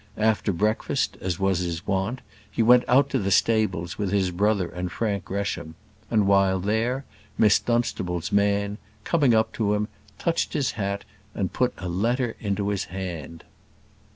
After breakfast, as was his wont, he went out to the stables with his brother and Frank Gresham; and while there, Miss Dunstable's man, coming up to him, touched his hat, and put a letter into his hand.